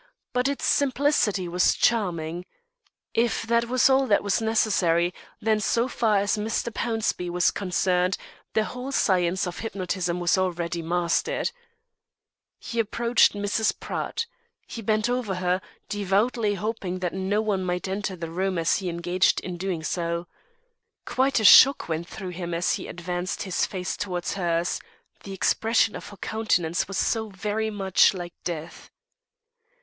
But its simplicity was charming. If that was all that was necessary, then, so far as Mr. Pownceby was concerned, the whole science of hypnotism was already mastered. He approached Mrs. Pratt. He bent over her, devoutly hoping that no one might enter the room as he was engaged in doing so. Quite a shock went through him as he advanced his face towards hers, the expression of her countenance was so very much like death.